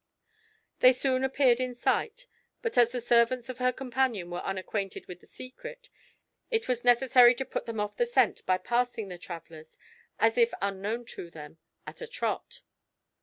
They soon appeared in sight; but as the servants of her companion were unacquainted with the secret, it was necessary to put them off the scent by passing the travellers, as if unknown to them, at a trot.